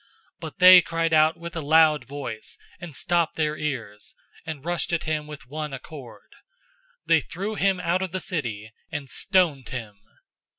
007:057 But they cried out with a loud voice, and stopped their ears, and rushed at him with one accord. 007:058 They threw him out of the city, and stoned him.